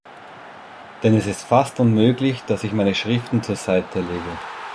Denn es ist fast unmöglich, dass ich meine Schriften zur Seite lege.